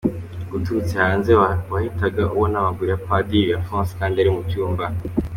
Ngo uturutse hanze wahitaga ubona amaguru ya Padiri Alphonse kandi ari mu cyumba.